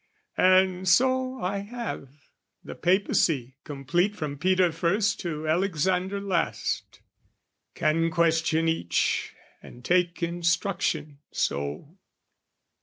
And so I have the Papacy complete From Peter first to Alexander last; Can question each and take instruction so.